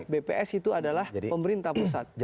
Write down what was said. bps itu adalah pemerintah pusat